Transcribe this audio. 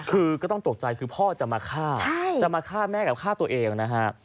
คือก็ต้องตกใจคือพ่อจะมาฆ่าจะมาฆ่าแม่กับฆ่าตัวเองนะฮะ